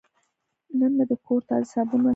نن مې د کور تازه صابون واخیست.